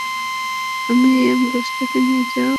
তুমি এই অ্যাম্বুলেন্সটা নিয়ে যাও।